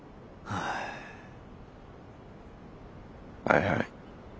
はいはい。